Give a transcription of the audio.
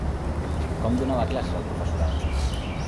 Com donava les classes el professorat?